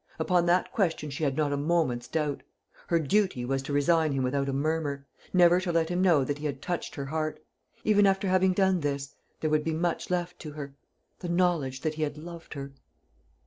Upon that question she had not a moment's doubt. Her duty was to resign him without a murmur; never to let him know that he had touched her heart. Even after having done this, there would be much left to her the knowledge that he had loved her.